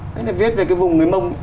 thế này viết về cái vùng người mông